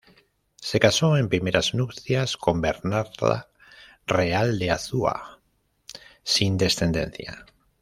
Se casó en primeras nupcias con Bernarda Real de Azúa, sin descendencia.